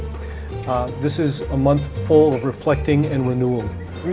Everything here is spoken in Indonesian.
ini adalah bulan yang penuh dengan refleksi dan penyelenggaraan